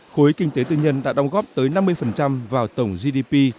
khối kinh tế tư nhân đã đóng góp tới năm mươi vào tổng gdp